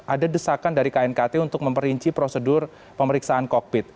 ada desakan dari knkt untuk memperinci prosedur pemeriksaan kokpit